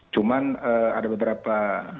cuman ada beberapa